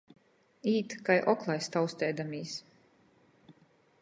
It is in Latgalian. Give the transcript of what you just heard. Īt kai oklais tausteidamīs.